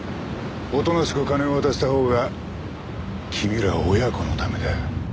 おとなしく金を渡したほうが君ら親子のためだ。